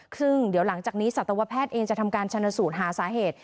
ซึ่งเดี๋ยวหลังจากนี้สัตวแพทย์เองจะทำการชนสูตรหาสาเหตุ